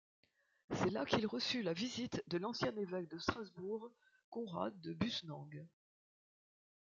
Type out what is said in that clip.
C'est là qu'il reçut la visite de l'ancien évêque de Strasbourg Konrad de Bussnang.